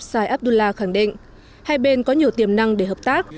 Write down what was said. sai abdullah khẳng định hai bên có nhiều tiềm năng để hợp tác